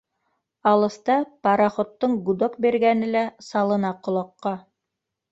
Алыҫта пароходтың гудок биргәне лә салына ҡолаҡҡа.